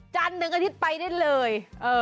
จันทร์ถึงอาทิตย์ไปได้เลย